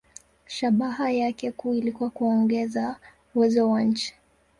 Shabaha yake kuu ilikuwa kuongeza uwezo wa nchi.